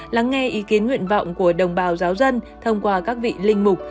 lắng nghe ý kiến nguyện vọng của đồng bào giáo dân thông qua các vị linh mục